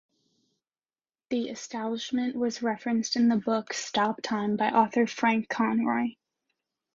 The Establishment was referenced in the book "Stop-Time" by author Frank Conroy.